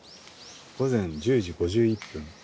午前１０時５１分。